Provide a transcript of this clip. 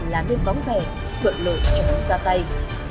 là nơi vắng vẻ thuận lợi cho hắn ra tay